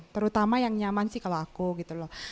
terutama yang nyaman sih kalau aku gitu loh